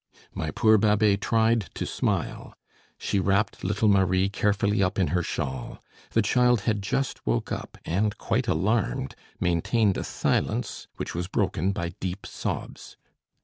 My poor Babet tried to smile. She wrapped little Marie carefully up in her shawl; the child had just woke up, and, quite alarmed, maintained a silence which was broken by deep sobs.